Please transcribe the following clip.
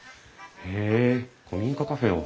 へえ古民家カフェを。